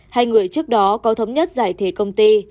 hai người trước đó có thống nhất giải thể công ty